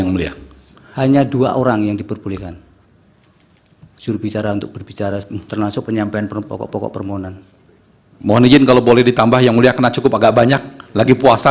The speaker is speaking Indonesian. mohon izin kalau boleh ditambah yang mulia kena cukup agak banyak lagi puasa